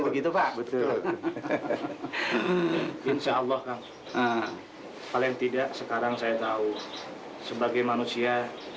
begitu pak betul insyaallah paling tidak sekarang saya tahu sebagai manusia